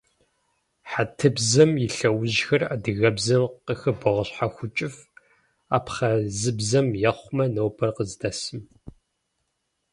Хьэтыбзэм и лъэужьхэр адыгэбзэм къыхыбогъэщхьэхукӀыф, абхъазыбзэм ехъумэ нобэр къыздэсым.